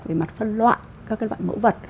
về mặt phân loại các loại mẫu vật